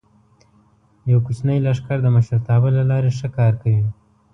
یو کوچنی لښکر د مشرتابه له لارې ښه کار کوي.